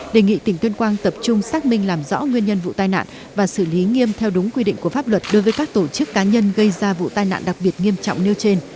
đề nghị tỉnh tuyên quang tập trung xác minh làm rõ nguyên nhân vụ tai nạn và xử lý nghiêm theo đúng quy định của pháp luật đối với các tổ chức cá nhân gây ra vụ tai nạn đặc biệt nghiêm trọng nêu trên